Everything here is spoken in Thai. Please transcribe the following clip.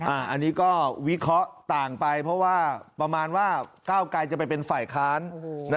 อันนี้ก็วิเคราะห์ต่างไปเพราะว่าก้าวไกลจะเป็นฝ่ายค้าน